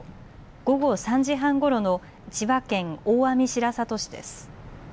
午後３時半ごろの千葉県大網白里市です。